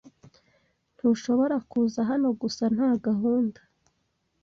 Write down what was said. Ntushobora kuza hano gusa nta gahunda.